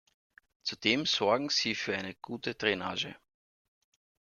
Zudem sorgen sie für eine gute Drainage.